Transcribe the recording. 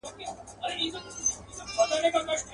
بیا د ژړو ګلو وار سو د زمان استازی راغی.